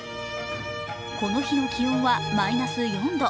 この日の気温はマイナス４度。